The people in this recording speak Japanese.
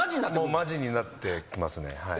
もうマジになってきますね。